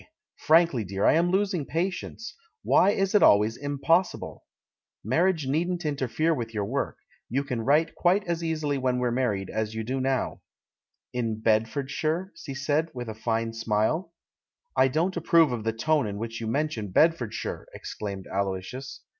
Frankly, dear, I am losing pa tience. Why is it always 'impossible'? Mar 164 THE MAN WHO UNDERSTOOD WOMEN riage needn't interfere with your work — you can write quite as easily when we're married as you do now." "In Bedfordshire?" she said, with a fine smile. "I don't approve of the tone in which you men tion Bedfordshire!" exclaimed Aloysius.